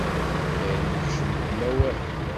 Dayen ikcem deg umawal.